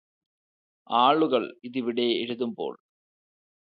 ആളുകള് ഇതിവിടെ എഴുതുമ്പോൾ